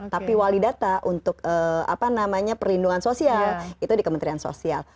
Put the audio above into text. tapi wali data untuk perlindungan sosial itu di kementerian sosial